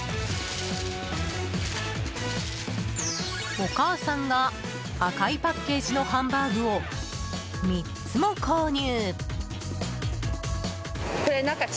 お母さんが、赤いパッケージのハンバーグを３つも購入。